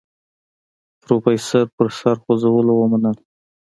پروفيسر په سر خوځولو ومنله.